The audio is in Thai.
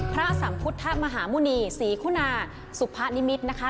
สัมพุทธมหาหมุณีศรีคุณาสุพะนิมิตรนะคะ